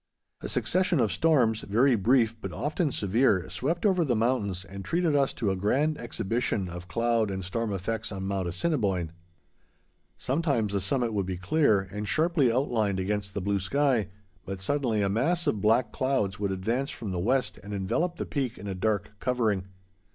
A succession of storms, very brief but often severe, swept over the mountains and treated us to a grand exhibition of cloud and storm effects on Mount Assiniboine. Sometimes the summit would be clear, and sharply outlined against the blue sky, but suddenly a mass of black clouds would advance from the west and envelope the peak in a dark covering.